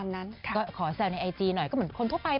มันไม่มีอะไรจริงมันไม่ต้องไปถึงคาดรู้สึก